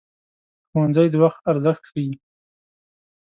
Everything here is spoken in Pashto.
ښوونځی د وخت ارزښت ښيي